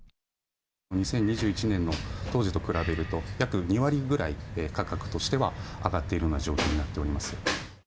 ２０２１年の当時と比べると、約２割ぐらい、価格としては上がっているような状況になっております。